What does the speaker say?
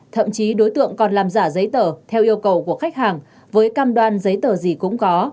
thậm chí đối tượng còn làm giả giấy tờ theo yêu cầu của khách hàng với cam đoan giấy tờ gì cũng có